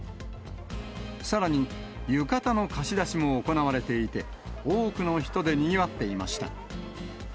さらに、浴衣の貸し出しも行われていて、多くの人でにぎわっていました。